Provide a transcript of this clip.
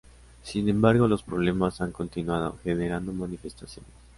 Sin embargo, los problemas han continuado generando manifestaciones.